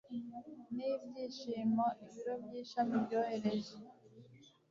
n ibyishimo Ibiro by ishami byohereje